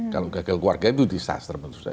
kalau gagal keluarga itu disaster